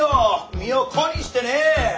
身を粉にしてねえ！